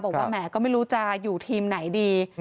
แหมก็ไม่รู้จะอยู่ทีมไหนดี